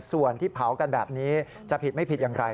ส่วนที่เผากันแบบนี้จะผิดไม่ผิดอย่างไร